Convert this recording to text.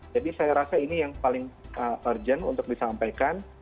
jadi saya rasa ini yang paling urgent untuk disampaikan